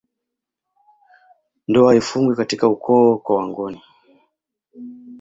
Ndoa haifungwi katika ukoo kwa wangoni